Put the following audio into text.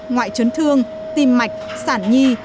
ngoại chấn thương tim mạch sản nhi